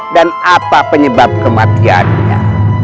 dan apa penyebab kematiannya